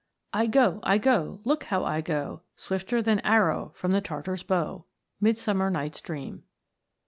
'' I go, I go ; look, how I go, Swifter than arrow from the Tartar's bow." Midsummer NigTifs Dream.